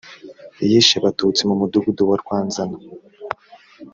yishe batutsi mu mudugudu wa rwanzana.